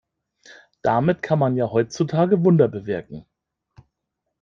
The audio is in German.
Damit kann man ja heutzutage Wunder bewirken.